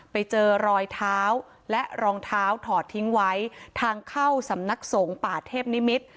ไปเจอรอยเท้าและรองเท้าถอดทิ้งไว้ทางเข้าสำนักสงฆ์ป่าเทพนิมิตร